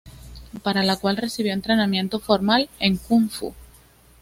Para la cual recibió entrenamiento formal en kung fu.